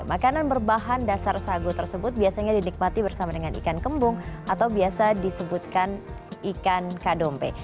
makanan berbahan dasar sagu tersebut biasanya dinikmati bersama dengan ikan kembung atau biasa disebutkan ikan kadompe